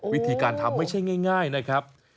วิธีการทำไม่ใช่ง่ายนะครับ